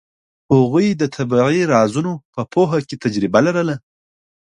هغوی د طبیعي رازونو په پوهه کې تجربه لرله.